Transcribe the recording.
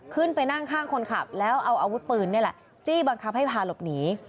ขึ้นไปนั่งข้างคนขับแล้วเอาอาวุธปืนนี่แหละจี้บังคับให้พาหลบหนี